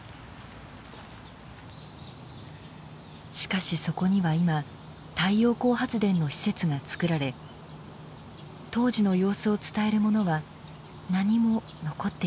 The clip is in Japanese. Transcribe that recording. しかしそこには今太陽光発電の施設がつくられ当時の様子を伝えるものは何も残っていません。